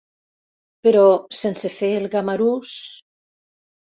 Però sense fer el gamarús...